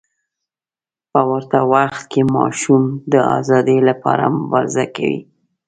په ورته وخت کې ماشوم د ازادۍ لپاره مبارزه کوي.